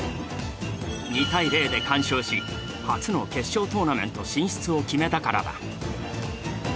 ２−０で完勝し、初の決勝トーナメント進出を決めたからだ。